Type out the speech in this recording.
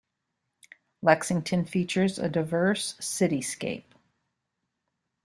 Lexington features a diverse cityscape.